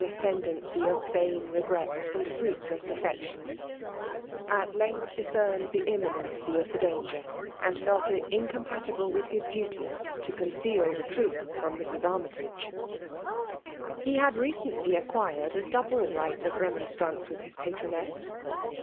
aite]i^ dancy of vain regrets and fruitless afifoottoDs^^^^ at Imgtli discerned the imaiineiK^ of &a danger* and felt it incompatible with bisidbly to conceal the truth from Mrs. Armytage. He had recently acquired a double right of temonstranoe with his patroness.